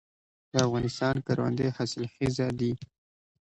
د افغانستان کروندې حاصلخیزه دي